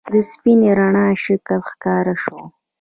د سپینې رڼا شکل ښکاره شو.